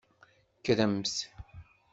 Kkremt.